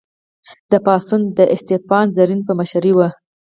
دا پاڅون د اسټپان رزین په مشرۍ و.